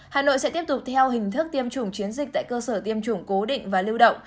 hà nội sẽ tiếp tục theo hình thức tiêm chủng chiến dịch tại cơ sở tiêm chủng cố định và lưu động